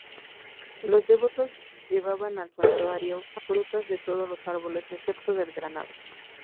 Los devotos llevaban al santuario frutas de todos los árboles excepto del granado.